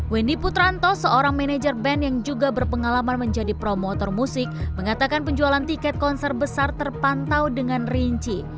wendy putranto seorang manajer band yang juga berpengalaman menjadi promotor musik mengatakan penjualan tiket konser besar terpantau dengan rinci